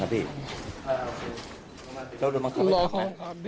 รอรับได้บังคับหรอไหมครับพี่